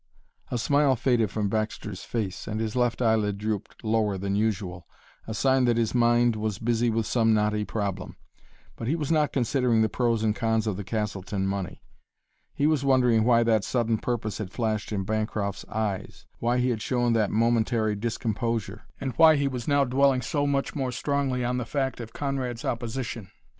The smile faded from Baxter's face, and his left eyelid drooped lower than usual a sign that his mind was busy with some knotty problem. But he was not considering the pros and cons of the Castleton money. He was wondering why that sudden purpose had flashed in Bancroft's eyes, why he had shown that momentary discomposure, and why he was now dwelling so much more strongly on the fact of Conrad's opposition.